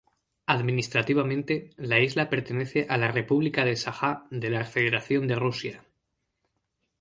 Administrativamente, la isla pertenece a la República de Sajá de la Federación de Rusia.